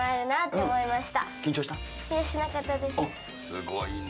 すごいね。